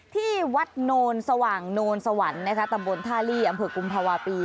ที่วัดโนนสว่างโนนสวรรค์นะคะตำบลท่าลี่อำเภอกุมภาวะปี